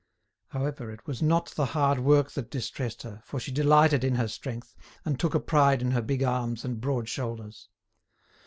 However, it was not the hard work that distressed her, for she delighted in her strength, and took a pride in her big arms and broad shoulders.